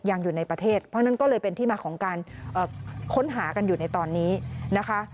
ยังอยู่ในประเทศเพราะฉะนั้นก็เลยเป็นที่มาของการค้นหากันอยู่ในตอนนี้นะคะ